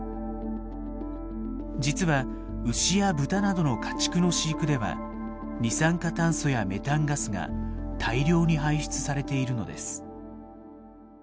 実は牛や豚などの家畜の飼育では二酸化炭素やメタンガスが大量に排出されているのです。